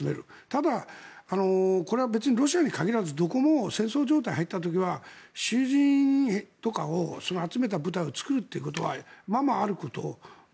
ただ、これは別にロシアに限らずどこも戦争状態に入った時は囚人とか集めた部隊を作るということは間々あること。